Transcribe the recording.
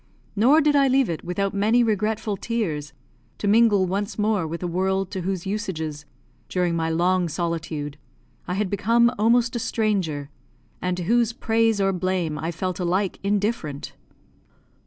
Nor did I leave it without many regretful tears, to mingle once more with a world to whose usages, during my long solitude, I had become almost a stranger, and to whose praise or blame I felt alike indifferent.